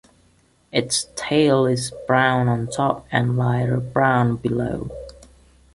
Its tail is brown on top and lighter brown below.